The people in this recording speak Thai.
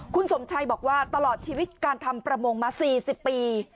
คุณสมชัยบอกว่าตลอดชีวิตการทำประมงมา๔๐ปี